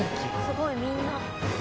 すごいみんな。